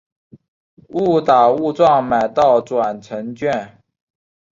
误打误撞买到转乘券